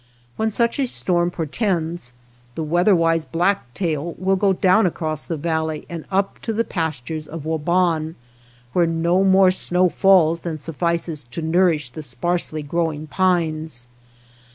When such a storm por tends the weather wise black tail will go down across the valley and up to the pas tures of Waban where no more snow falls than suffices to nourish the sparsely grow ing pines.